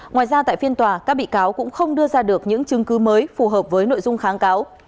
ngoài ra tại phiên tòa các bị cáo cũng không đưa ra được những chứng cứ mới phù hợp với nội dung kháng cáo